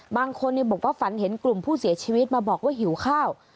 บางคนบอกว่าฝันเห็นกลุ่มผู้เสียชีวิตมาบอกว่าหิวข้าว